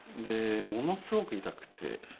でものすごく痛くて。